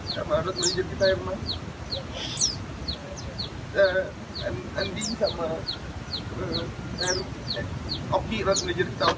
sama road manager kita yang memang andi sama dan oke road manager kita oke